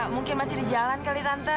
mungkin masih di jalan kali tante